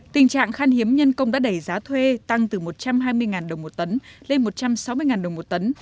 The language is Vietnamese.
tình trạng khan hiếm nhân công đã đẩy giá thuê tăng từ một trăm hai mươi đồng một tấn lên một trăm sáu mươi đồng một tấn